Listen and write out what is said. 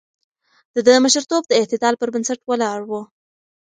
د ده مشرتوب د اعتدال پر بنسټ ولاړ و.